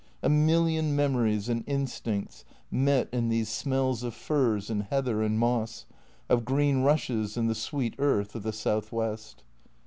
A million memories and instincts met in these smells of furze and heather and moss, of green rushes and the sweet earth of the south west.